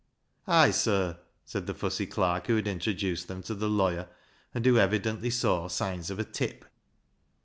" I, sir," said the fussy clerk who had intro duced them to the lawyer, and who evidently saw signs of a tip.